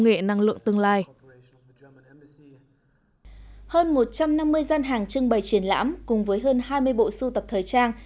nghệ năng lượng tương lai hơn một trăm năm mươi gian hàng trưng bày triển lãm cùng với hơn hai mươi bộ sưu tập thời trang